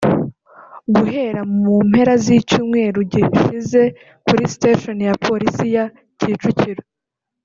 Guhera mu mpera z’icyumweru gishize kuri station ya polisi ya Kicukiro